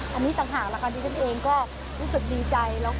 วันนี้ทุกคนพยายามอย่างเต็มที่ที่จะช่วยเหลือให้ชาวนาไทย